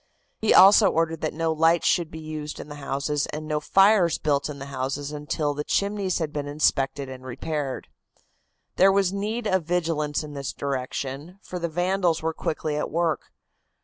He also ordered that no lights should be used in the houses and no fires built in the houses until the chimneys had been inspected and repaired. There was need of vigilance in this direction, for the vandals were quickly at work.